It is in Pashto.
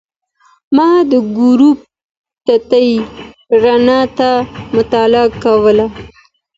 ما د ګروپ تتې رڼا ته مطالعه کوله.